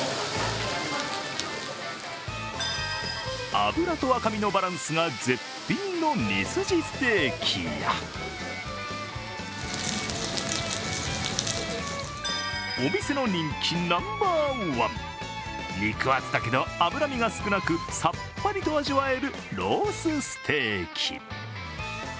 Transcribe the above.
脂と赤身のバランスが絶品のミスジステーキやお店の人気ナンバーワン、肉厚だけど脂身が少なく、さっぱりと味わえるロースステーキ。